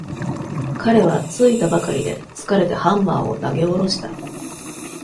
彼は着いたばかりで、疲れてハンマーを投げ下ろした。